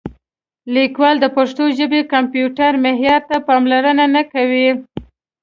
لیکوالان د پښتو ژبې کمپیوټري معیار ته پاملرنه نه کوي.